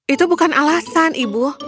itu bukan alasan ibu